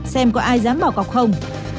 xem có ai dám bỏ cọc không